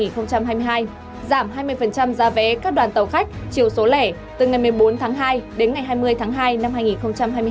giảm hai mươi giá vé các đoàn tàu khách chiều số lẻ từ ngày một mươi bốn tháng hai đến ngày hai mươi tháng hai năm hai nghìn hai mươi bốn